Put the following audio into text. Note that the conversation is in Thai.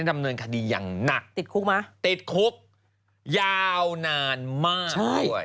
ดำเนินคดีอย่างหนักติดคุกไหมติดคุกยาวนานมากด้วย